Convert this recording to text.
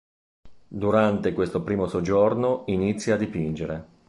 Durante questo primo soggiorno inizia a dipingere.